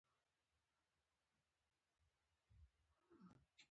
خوشاله ژوند وکړه.